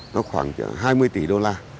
nó khoảng hai mươi tỷ đô la